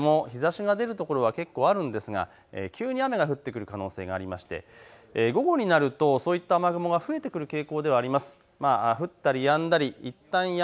昼前にかけても日ざしが出るところは結構あるんですが急に雨が降ってくる可能性がありまして、午後になるとそういった雨雲が増えてくる傾向ではあります。